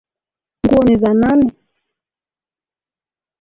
Nguo ni za nani?